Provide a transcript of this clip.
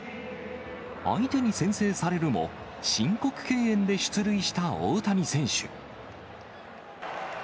相手に先制されるも、申告敬遠で出塁した大谷選手。